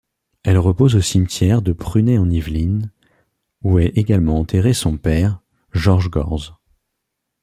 Elle repose au cimetière de Prunay-en-Yvelines, où est également enterré son père, Georges Gorse.